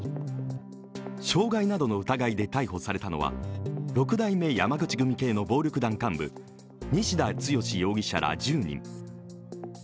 傷害などの疑いで逮捕されたのは、六代目山口組系の暴力団幹部、西田剛容疑者ら１０人。